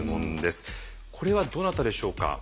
これはどなたでしょうか？